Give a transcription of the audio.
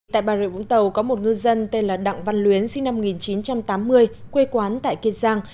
tại bà rịa vũng tàu có một ngư dân tên là đặng văn luyến sinh năm một nghìn chín trăm tám mươi quê quán tại kiên giang